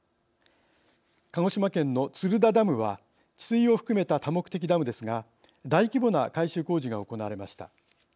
鹿児島県の鶴田ダムは治水を含めた多目的ダムですが大規模な改修工事が行われました。